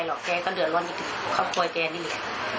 อยู่แล้วแกก็ไม่ได้ทำความหละลดให้ใครหรอกแกก็เดือดร้อนที่ครอบครัวแกนี่แหละ